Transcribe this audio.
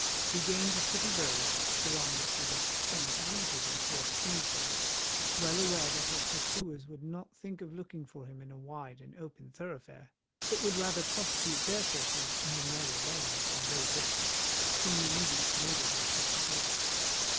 He gained the City Road, along which he walked somewhat leisurely towards Finsbury—well aware that his pursuers would not think of looking for him in a wide and open thoroughfare, but would rather prosecute their searches in the narrow lanes and low districts in the immediate neighbourhood of the gaol.